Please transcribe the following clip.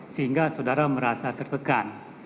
sehingga saudara merasa tertekan